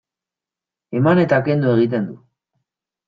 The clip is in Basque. Eman eta kendu egiten du.